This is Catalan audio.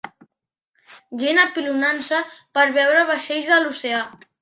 Gent apilotant-se per veure vaixells a l'oceà.